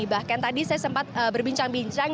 bahkan tadi saya sempat berbincang bincang